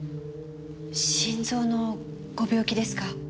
心臓のご病気ですか？